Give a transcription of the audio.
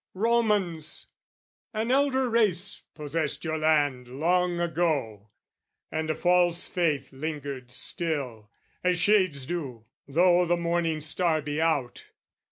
"Romans! An elder race possessed your land "Long ago, and a false faith lingered still, "As shades do, though the morning star be out.